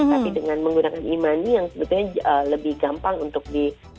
tapi dengan menggunakan e money yang sebetulnya lebih gampang untuk di